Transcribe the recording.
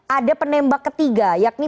ada penembak ketiga yakni